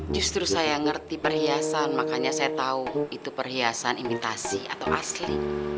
justru saya ngerti perhiasan makanya saya tahu itu perhiasan imitasi atau asli